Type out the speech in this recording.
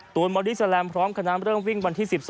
บอดี้แลมพร้อมคณะเริ่มวิ่งวันที่๑๒